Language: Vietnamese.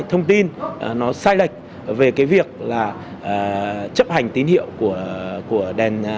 thông tin nó sai lệch về cái việc là chấp hành tín hiệu của đèn